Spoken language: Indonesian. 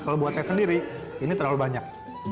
kalau buat saya sendiri ini terlalu banyak